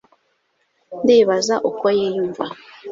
ndibaza uko yiyumva